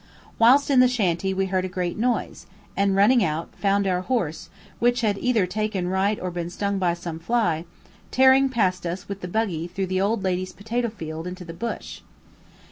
Whilst in the shanty we heard a great noise, and, running out, found our horse, which had either taken right or been stung by some fly, tearing past us with the buggy through the old lady's potato field into the bush.